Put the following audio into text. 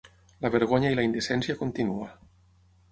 La vergonya i la indecència continua.